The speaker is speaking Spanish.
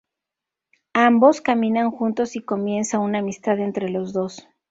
Ambos caminan juntos y comienza una amistad entre los dos.